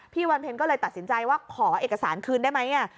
พี่วันเพลินก็เลยตัดสินใจว่าขอเอกสารคืนได้ไหมเนี่ย